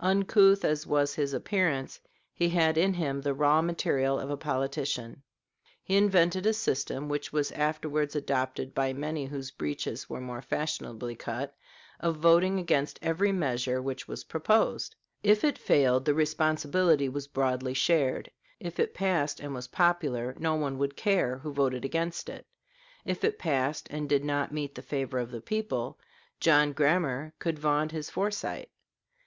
Uncouth as was his appearance, he had in him the raw material of a politician. He invented a system which was afterwards adopted by many whose breeches were more fashionably cut of voting against every measure which was proposed. If it failed, the responsibility was broadly shared; if it passed and was popular, no one would care who voted against it; if it passed and did not meet the favor of the people, John Grammar could vaunt his foresight.